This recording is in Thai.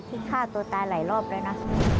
ที่ฆ่าตัวตายหลายรอบแล้วนะ